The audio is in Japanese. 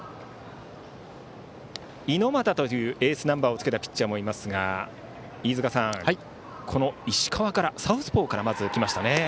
猪俣という、エースナンバーをつけたピッチャーもいますが飯塚さん、石川からサウスポーから打ちましたね。